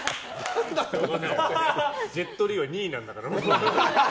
ジェット・リーは２位なんだから。